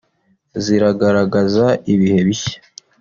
ziragaragaza ibihe bishya